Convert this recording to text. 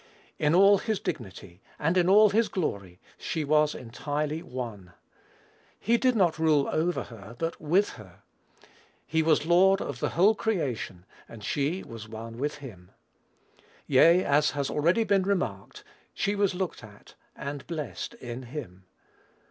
In all his dignity, and in all his glory, she was entirely one. He did not rule over, but with her. He was Lord of the whole creation, and she was one with him. Yea, as has already been remarked, she was looked at, and blessed in him.